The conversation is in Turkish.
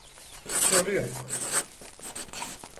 Soru yok.